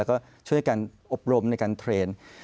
แล้วก็ช่วยกันอบรมในการเทรนด์